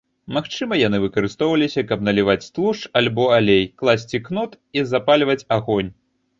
Магчыма яны выкарыстоўваліся, каб наліваць тлушч альбо алей, класці кнот і запальваць агонь.